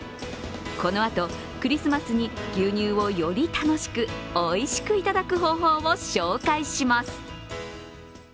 このあとクリスマスに牛乳をより楽しく、おいしくいただく方法を紹介します。